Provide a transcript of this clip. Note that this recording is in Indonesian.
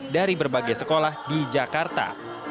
dari berbagai sekolah di jakarta